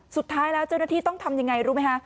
สุดท้ายแล้วเจ้าหน้าที่ต้องทำยังไงรู้ไหมคะ